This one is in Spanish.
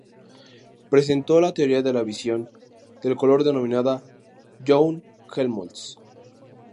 Presentó la teoría de la visión del color denominada Young-Helmholtz.